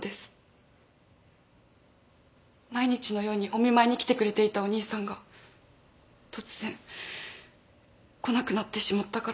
毎日のようにお見舞いに来てくれていたお兄さんが突然来なくなってしまったから。